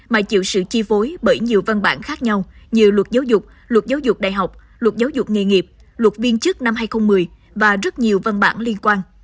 mà chịu sự chi phối bởi nhiều văn bản khác nhau như luật giáo dục luật giáo dục đại học luật giáo dục nghề nghiệp luật viên chức năm hai nghìn một mươi và rất nhiều văn bản liên quan